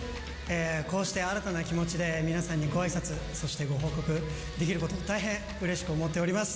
こうして新たな気持ちで皆さんにごあいさつ、そしてご報告できることを大変うれしく思っております。